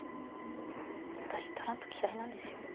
私トランプ嫌いなんですよ。